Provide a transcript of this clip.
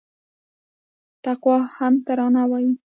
تقوا هم ترانه وايي